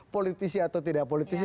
politisi atau tidak politisi